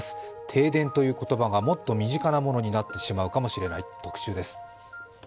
停電という言葉がもっと身近なものになってしまうかもしれない、特集です。